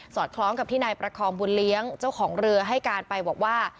คล้องกับที่นายประคอมบุญเลี้ยงเจ้าของเรือให้การไปบอกว่า